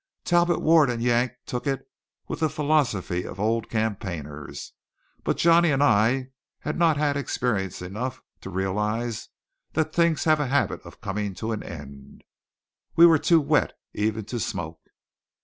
Talbot Ward and Yank took it with the philosophy of old campaigners; but Johnny and I had not had experience enough to realize that things have a habit of coming to an end. We were too wet even to smoke.